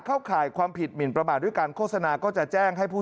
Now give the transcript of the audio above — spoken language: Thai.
ข่ายความผิดหมินประมาทด้วยการโฆษณาก็จะแจ้งให้ผู้